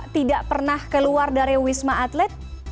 tidak pernah keluar dari wisma atlet